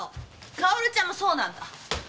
薫ちゃんもそうなんだ！